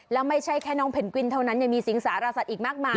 แล้วไม่ใช่แค่น้องเพนกวินเท่านั้นยังมีสิงสารสัตว์อีกมากมาย